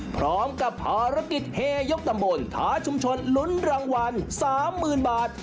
พร้อมกับภารกิจเฮยกตำบลท้าชุมชนลุ้นรางวัล๓๐๐๐บาท